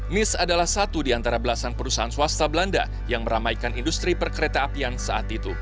nis adalah satu di antara belasan perusahaan swasta belanda yang meramaikan industri perkereta apian saat itu